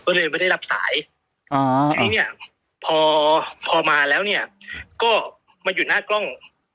ก็เลยไม่ได้รับสายทีนี้เนี่ยพอพอมาแล้วเนี่ยก็มาอยู่หน้ากล้อง